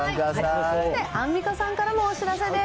そしてアンミカさんからもお知らせです。